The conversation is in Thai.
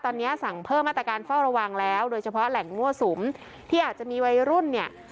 ตอนนี้สั่งเพิ่มมาตรการเฝ้าระวังแล้วโดยเฉพาะแหล่งมั่วสุมที่อาจจะมีวัยรุ่นเนี่ย